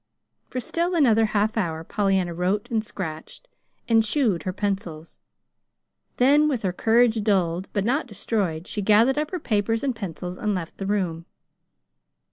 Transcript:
For still another half hour Pollyanna wrote and scratched, and chewed her pencils; then, with her courage dulled, but not destroyed, she gathered up her papers and pencils and left the room.